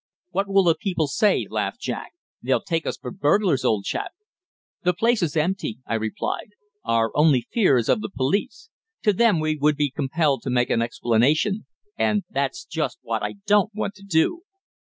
"What will the people say?" laughed Jack. "They'll take us for burglars, old chap!" "The place is empty," I replied. "Our only fear is of the police. To them we would be compelled to make an explanation and that's just what I don't want to do."